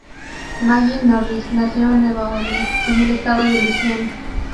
Maggie Norris nació en Nueva Orleáns, en el Estado de Luisiana.